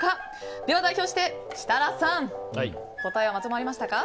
では代表して設楽さん答えはまとまりましたか？